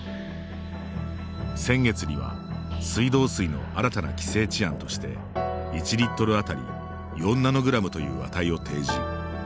先月には水道水の新たな規制値案として１リットルあたり４ナノグラムという値を提示。